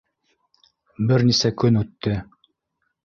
Бер нисә көн үтте.